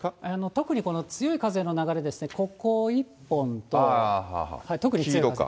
特にこの強い風の流れですね、ここ一本と、特に強い風。